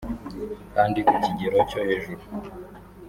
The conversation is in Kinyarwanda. kandi ku kigero cyo hejuru”